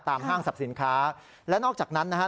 ตามห้างศัพท์สินค้าและนอกจากนั้นนะฮะ